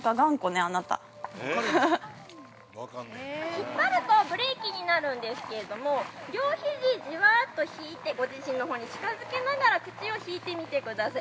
◆引っ張るとブレーキになるんですけれども、両ひじ、じわっと引いてご自身のほうに近づけながら口を引いてみてください。